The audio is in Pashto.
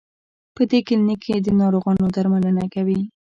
په دې کلینک کې د ناروغانو درملنه کوي.